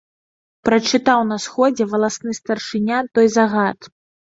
Прачытаў на сходзе валасны старшыня той загад.